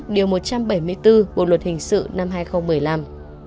điều một trăm bảy mươi bốn bộ luật hình sự năm hai nghìn một mươi năm